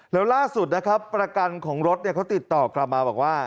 แล้วล่าสุดนะครับประกันของรถเขาติดต่อกลับมาบอกว่า